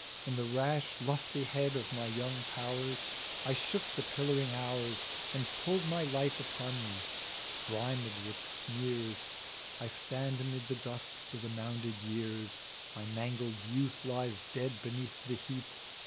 In the rash lustihead of my young powers, I shook the pillaring hours And pulled my life upon me ; grimed with smears, I stand amid the dust o' the mounded years My mangled youth lies dead beneath the heap.